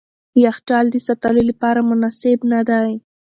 یخچال د ساتلو لپاره مناسب نه دی.